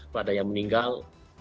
pada yang meninggal